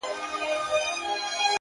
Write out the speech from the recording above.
د قاف د شاپيرو اچيل دې غاړه کي زنگيږي!